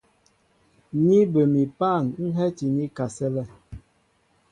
Ni bə mi pân ń hɛ́ti ní kasɛ́lɛ.